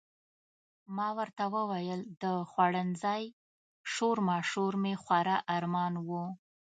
ما ورته وویل د خوړنځای شورماشور مې خورا ارمان و.